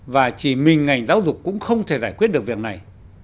và chỉ mình ngành giáo dục cũng không thể giải quyết được việc này